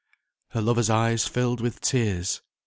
Her lover's eyes filled with tears.